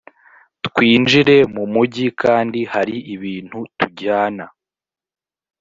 twinjire mu mugi kandi hari ibintu tujyana